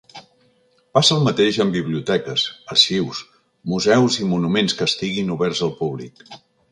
Passa el mateix amb biblioteques, arxius, museus i monuments que estiguin oberts al públic.